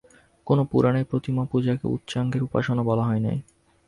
কোন পুরাণেই প্রতিমাপূজাকে উচ্চাঙ্গের উপাসনা বলা হয় নাই।